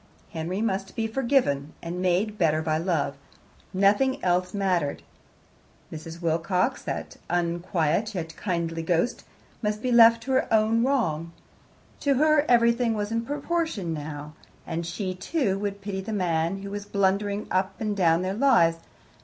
Henry must be forgiven, and made better by love; nothing else mattered. Mrs. Wilcox, that unquiet yet kindly ghost, must be left to her own wrong. To her everything was in proportion now, and she, too, would pity the man who was blundering up and down their lives.